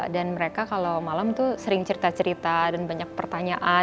dan mereka kalau malam itu sering cerita cerita dan banyak pertanyaan